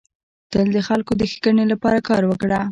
تل د خلکو د ښيګڼي لپاره کار وکړه.